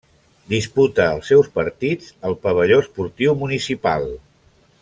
Disputa els seus partits al Pavelló Esportiu Municipal.